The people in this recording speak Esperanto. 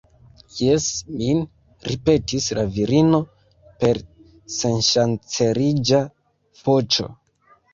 Jes, min, ripetis la virino per senŝanceliĝa voĉo.